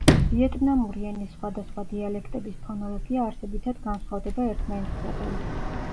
ვიეტნამური ენის სხვადასხვა დიალექტების ფონოლოგია არსებითად განსხვავდება ერთმანეთისაგან.